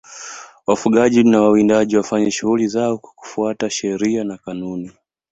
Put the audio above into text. wafugaji na wawindaji wafanye shughuli zao kwa kufuata sheria na kanuni